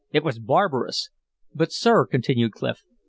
"It was barbarous!" "But, sir," continued Clif.